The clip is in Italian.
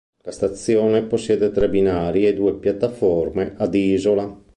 La stazione possiede tre binari e due piattaforme ad isola.